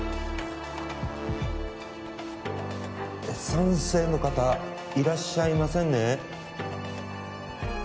賛成の方いらっしゃいませんね？